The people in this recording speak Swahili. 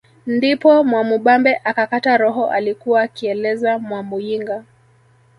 Ndipo Mwamubambe akakata roho alikuwa akieleza Mwamuyinga